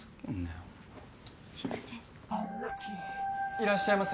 いらっしゃいませ。